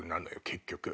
結局。